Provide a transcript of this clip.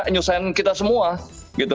nyusen kita semua gitu